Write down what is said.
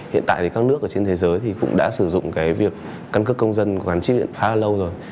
hiện tại các nước trên thế giới cũng đã sử dụng việc căn cước công dân của gắn chip điện tử khá là lâu rồi